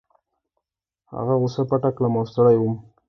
هغه غوسه پټه کړم او ستړی وم.